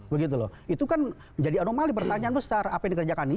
begitu loh itu kan menjadi anomali pertanyaan besar apa yang dikerjakan ini